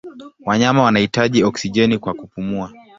Wanyama wanahitaji oksijeni kwa kupumua.